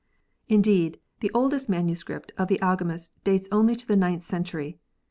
Indeed, the oldest manuscript of the Al magest dates only to the ninth century.